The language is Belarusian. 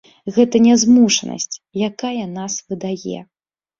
Гэта нязмушанасць, якая нас выдае.